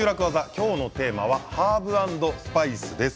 今日のテーマはハーブ＆スパイスです。